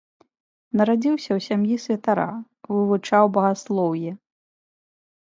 Нарадзіўся ў сям'і святара, вывучаў багаслоўе.